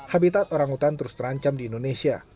habitat orangutan terus terancam di indonesia